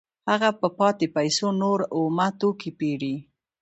هغه په پاتې پیسو نور اومه توکي پېري